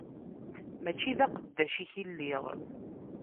Mačči d aqeddac-ik i lliɣ.